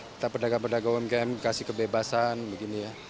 kita pedagang pedagang umkm kasih kebebasan begini ya